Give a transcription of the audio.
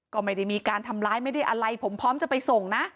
ก็ไม่ได้มีการทำร้ายไม่ได้อะไรผมพร้อมจะไปส่งนะ